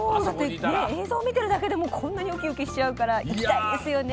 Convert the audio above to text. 映像を見ているだけでもこんなにうきうきしてしまうので行きたいですよね。